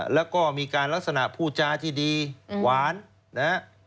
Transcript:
แล้วก็มีการลักษณะพูดจาที่ดีหวานนะฮะ